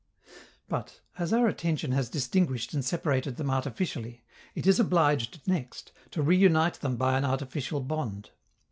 But, as our attention has distinguished and separated them artificially, it is obliged next to reunite them by an artificial bond.